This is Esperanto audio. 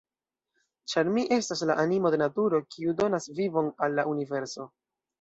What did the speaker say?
Ĉar Mi estas la animo de naturo, kiu donas vivon al la universo.